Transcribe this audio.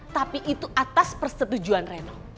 tapi itu atas persetujuan reno